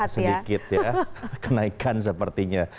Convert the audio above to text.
sedikit ya kenaikan sepertinya